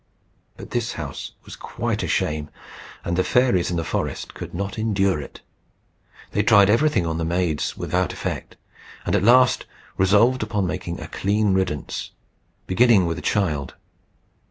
But this house was quite a shame, and the fairies in the forest could not endure it. They tried everything on the maids without effect, and at last resolved upon making a clean riddance, beginning with the child.